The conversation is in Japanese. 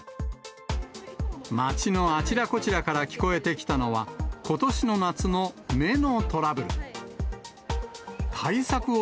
街のあちらこちらから聞こえてきたのは、ことしの夏の目のトラブル。